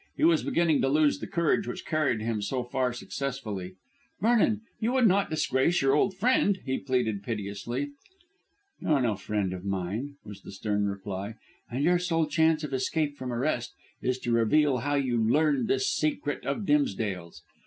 He was beginning to lose the courage which had carried him so far successfully. "Vernon, you would not disgrace your old friend," he pleaded piteously. "You are no friend of mine," was the stern reply, "and your sole chance of escape from arrest is to reveal how you learned this secret of Dimsdale's."